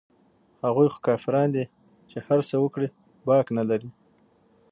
هغوى خو کافران دي چې هرڅه وکړي باک نه لري.